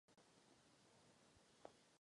Ten však s věcí nechtěl mít nic společného.